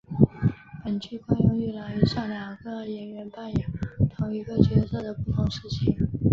本剧惯用一老一少两个演员扮演同一个角色的不同时期。